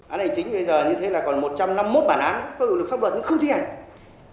án hành chính bây giờ như thế là còn một trăm năm mươi một bản án có hiệu lực pháp luật nhưng không thi hành